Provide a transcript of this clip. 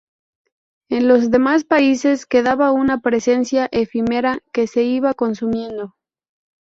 En los demás países quedaba una presencia efímera que se iba consumiendo.